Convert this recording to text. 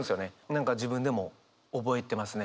何か自分でも覚えてますね。